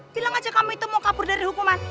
bilang aja kamu itu mau kabur dari hukuman